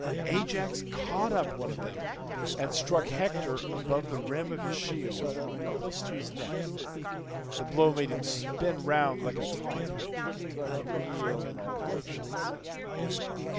Ajax caught up one of them and struck Hector above the rim of his shield close to his neck; the blow made him spin round like a top and reel in all directions.